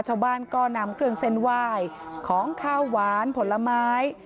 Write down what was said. ชาวบ้านก็นำเครื่องเส้นไหว้ของข้าวหวานผลไม้